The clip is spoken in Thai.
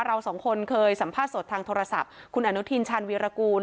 เราสองคนเคยสัมภาษณ์สดทางโทรศัพท์คุณอนุทินชาญวีรกูล